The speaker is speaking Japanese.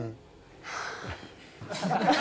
はあ。